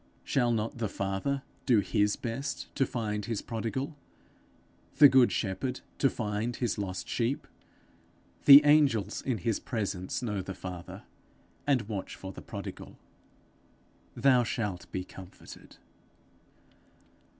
Shall not the Father do his best to find his prodigal? the good shepherd to find his lost sheep? The angels in his presence know the Father, and watch for the prodigal. Thou shalt be comforted.